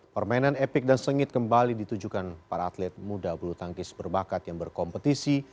permainan epik dan sengit kembali ditujukan para atlet muda bulu tangkis berbakat yang berkompetisi